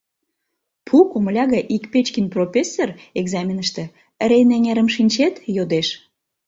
Пу комыля гай ик Печкин пропесыр экзаменыште: — Рейн эҥерым шинчет? — йодеш.